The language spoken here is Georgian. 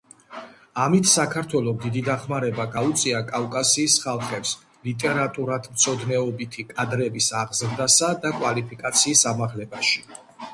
ამით საქართველომ დიდი დახმარება გაუწია კავკასიის ხალხებს ლიტერატურათმცოდნეობითი კადრების აღზრდასა და კვალიფიკაციის ამაღლებაში.